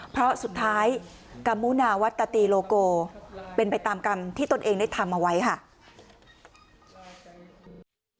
เพราะสุดท้ายกัมมุนาวัตตีโลโกเป็นไปตามกรรมที่ตนเองได้ทำเอาไว้ค่ะ